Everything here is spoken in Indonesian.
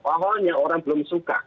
awalnya orang belum suka